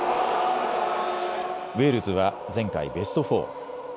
ウェールズは前回ベスト４。